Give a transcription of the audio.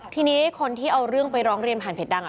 ทีนี้คนที่เอาเรื่องไปร้องเรียนผ่านเพจดัง